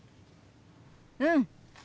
うん！